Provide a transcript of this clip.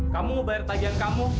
kamu bayar tagihan kamu